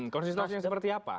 konsistensi seperti apa